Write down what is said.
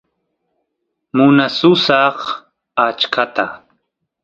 munasusaq achkata